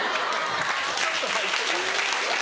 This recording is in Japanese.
ちょっと入ってた。